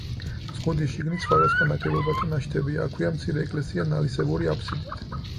ზღუდის შიგნით სხვადასხვა ნაგებობათა ნაშთებია, აქვეა მცირე ეკლესია ნალისებური აფსიდით.